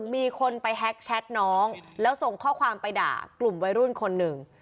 มีคนไปแฮ็กแชทน้องแล้วส่งข้อความไปด่ากลุ่มวัยรุ่นคนหนึ่ง